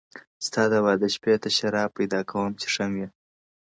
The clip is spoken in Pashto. ستا د واده شپې ته شراب پيدا کوم څيښم يې،